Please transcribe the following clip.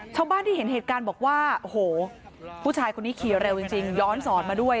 ชาวบ้านที่เห็นเหตุการณ์บอกว่าโอ้โหผู้ชายคนนี้ขี่เร็วจริงย้อนสอนมาด้วย